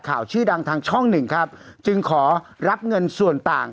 ชื่อดังทางช่องหนึ่งครับจึงขอรับเงินส่วนต่าง